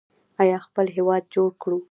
آیا خپل هیواد جوړ کړو؟